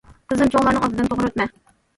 - قىزىم چوڭلارنىڭ ئالدىدىن توغرا ئۆتمە.